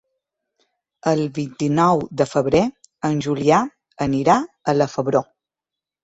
El vint-i-nou de febrer en Julià anirà a la Febró.